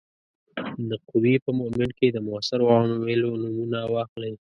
د قوې په مومنټ کې د موثرو عواملو نومونه واخلئ.